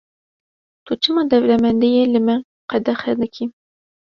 Tu çima dewlemendiyê li me qedexe dikî?